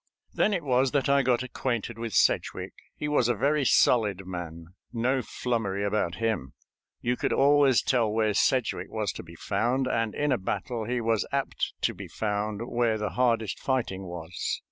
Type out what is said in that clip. Then it was that I got acquainted with Sedgwick. He was a very solid man; no flummery about him. You could always tell where Sedgwick was to be found, and in a battle he was apt to be found where the hardest fighting was.